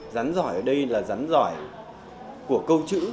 rắn giỏi ở đây là rắn giỏi của câu chữ